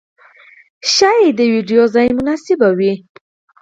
ښايې د ويدېدو ځای مناسب وي.